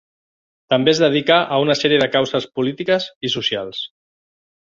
També es dedica a una sèrie de causes polítiques i socials.